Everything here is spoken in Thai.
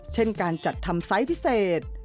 เช่นการจัดทำไซส์พิเศษ